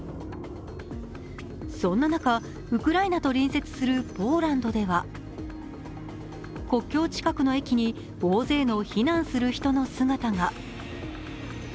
そんな中、ウクライナと隣接するポーランドでは、国境近くの駅に大勢の避難する人の姿が。